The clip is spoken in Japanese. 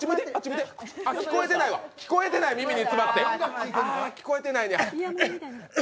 聞こえてない、耳に詰まって。